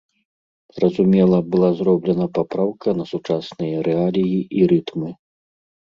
Зразумела, была зроблена папраўка на сучасныя рэаліі і рытмы.